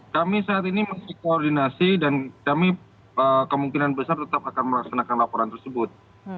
kami saat ini masih koordinasi dan kami kemungkinan besar tetap akan melaksanakan laporan tersebut